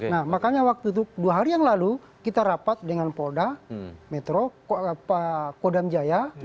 nah makanya waktu itu dua hari yang lalu kita rapat dengan polda metro kodam jaya